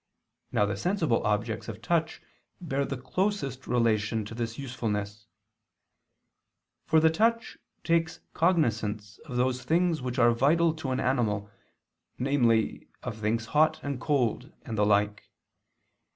Now the sensible objects of touch bear the closest relation to this usefulness: for the touch takes cognizance of those things which are vital to an animal, namely, of things hot and cold and the like.